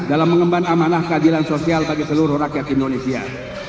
dalam mengemban amanah keadilan sosial bagi seluruh rakyat indonesia